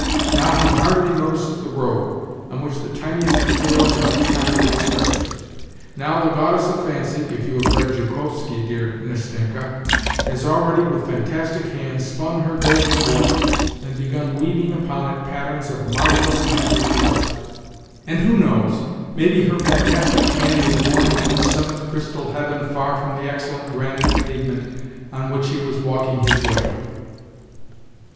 Now he hardly notices the road, on which the tiniest details at other times would strike him. Now ' the Goddess of Fancy ' (if you have read Zhukovsky, dear Nastenka) has already with WHITE NIGHTS 17 fantastic hand spun her golden warp and begun weaving upon it patterns of marvellous magic life and who knows, maybe, her fantastic hand has borne him to the seventh crystal heaven far from the excellent granite pavement on which he was walk ing his way